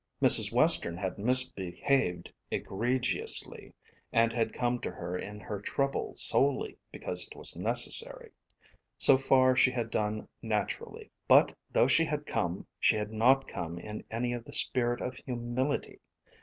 Mrs. Western had misbehaved egregiously, and had come to her in her trouble solely because it was necessary. So far she had done naturally. But though she had come, she had not come in any of the spirit of humility.